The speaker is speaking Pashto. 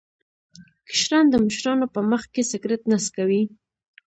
کشران د مشرانو په مخ کې سګرټ نه څکوي.